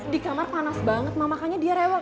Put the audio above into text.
di kamar panas banget makanya dia rewet